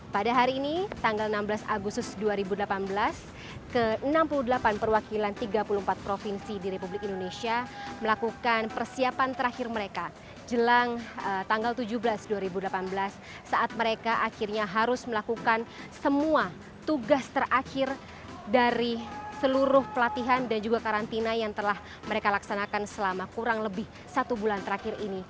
pada hari ini tanggal enam belas agustus dua ribu delapan belas ke enam puluh delapan perwakilan tiga puluh empat provinsi di republik indonesia melakukan persiapan terakhir mereka jelang tanggal tujuh belas dua ribu delapan belas saat mereka akhirnya harus melakukan semua tugas terakhir dari seluruh pelatihan dan juga karantina yang telah mereka laksanakan selama kurang lebih satu bulan terakhir ini